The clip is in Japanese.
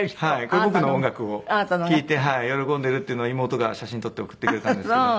これ僕の音楽を聴いて喜んでいるっていうのを妹が写真撮って送ってくれたんですけど。